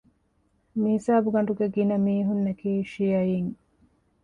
މިހިސާބުގަނޑުގެ ގިނަ މީހުންނަކީ ޝިޔަޢީން